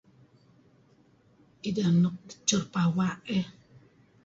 Ideh nuk chur pawa' eh.